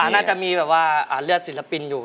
น่าจะมีแบบว่าเลือดศิลปินอยู่